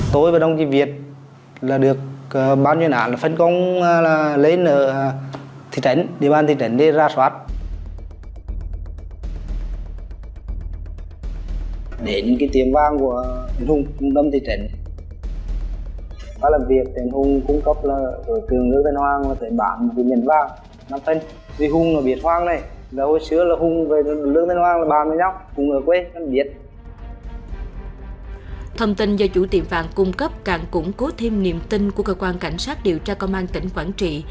thông tin do chủ tiệm phạm cung cấp càng củng cố thêm niềm tin của cơ quan cảnh sát điều tra công an tỉnh quảng trị